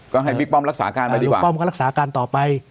ก็ให้บิ๊กป้อมรักษาการมาดีกว่าบิ๊กป้อมก็รักษาการต่อไป